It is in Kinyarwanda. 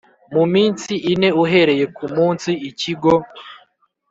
mu minsi ine uhereye ku munsi Ikigo